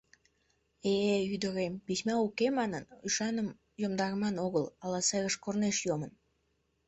— Э-э, ӱдырем, письма уке манын, ӱшаным йомдарыман огыл, ала серыш корнеш йомын.